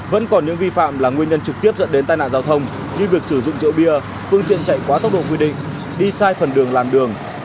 vẫn còn những vi phạm là nguyên nhân trực tiếp dẫn đến tai nạn giao thông như việc sử dụng rượu bia phương tiện chạy quá tốc độ quy định đi sai phần đường làn đường